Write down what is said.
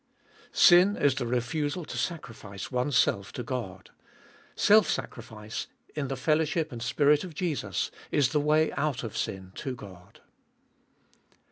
1. Sin is the refusal to sacrifice one's self to God. Self sacrifice in the fellowship and Spirit of Jesus Is the way out of sin to God.